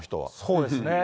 そうですね。